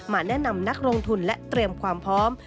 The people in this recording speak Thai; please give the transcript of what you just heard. แนะนำนักลงทุนและเตรียมความพร้อม